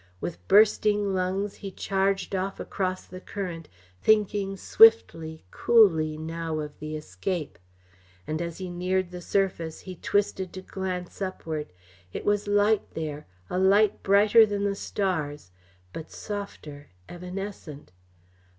With bursting lungs he charged off across the current, thinking swiftly, coolly, now of the escape. And as he neared the surface he twisted to glance upward. It was light there a light brighter than the stars, but softer, evanescent.